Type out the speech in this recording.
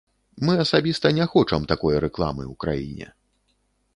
Мы асабіста не хочам такой рэкламы ў краіне.